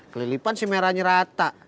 kelilipan si merahnya rata